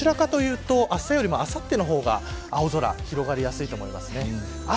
関東もどちらかというとあすよりも、あさっての方が青空広がりやすいと思います。